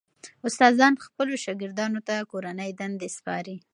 استادان خپلو شاګردانو ته کورنۍ دندې سپاري.